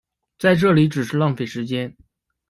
在这里只是浪费时间